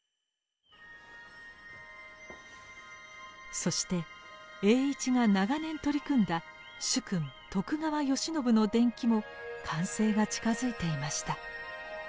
そして栄一が長年取り組んだ主君徳川慶喜の伝記も完成が近づいていました。